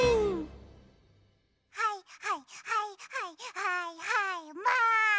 はいはいはいはいはいはいマン！